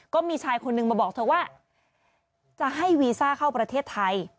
ก็มีชายคนนึงมาบอกเธอว่าจะให้วีซ่าเข้าประเทศไทย